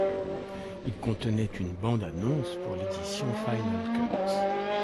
Il contenait une bande-annonce pour l'édition Final Cut.